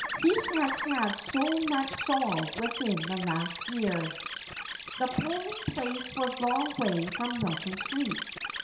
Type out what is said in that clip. ' He has had so much sorrow within the last year.' The polling place was a long way from Milton Street.